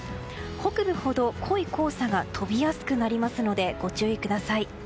北部ほど濃い黄砂が飛びやすくなりますのでご注意ください。